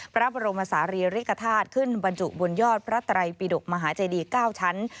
พระบรมศาลีริกฐาตุขึ้นบรรจุดยอดพระไตรปิดกมหาเจดี๙ชั้น